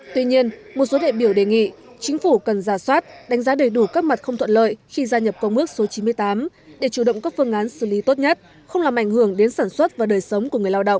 tuy nhiên một số đại biểu đề nghị chính phủ cần ra soát đánh giá đầy đủ các mặt không thuận lợi khi gia nhập công ước số chín mươi tám để chủ động các phương án xử lý tốt nhất không làm ảnh hưởng đến sản xuất và đời sống của người lao động